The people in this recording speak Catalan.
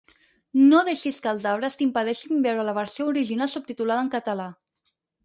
No deixis que els arbres t'impedeixin veure la Versió Original Subtitulada en Català.